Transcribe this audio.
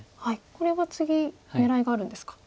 これは次狙いがあるんですか。